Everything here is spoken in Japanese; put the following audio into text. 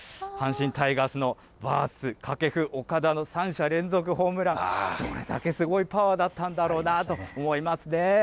阪神タイガースのバース、掛布、岡田の３者連続ホームラン、どれだけすごいパワーだったんだろうと思いますね。